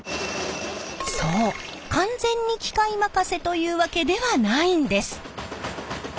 そう完全に機械任せというわけではないんです！